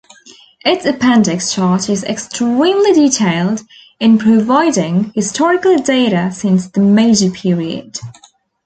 Its appendix chart is extremely detailed in providing historical data since the Meiji period.